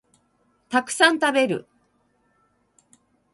たくさん食べる